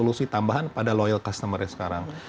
solusi tambahan pada loyal customer nya sekarang